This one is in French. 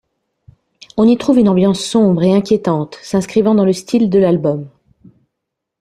On y trouve une ambiance sombre et inquiétante s'inscrivant dans le style de l'album.